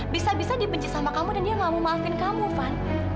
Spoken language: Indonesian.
bisa bisa dibenci sama kamu dan dia gak mau maafin kamu van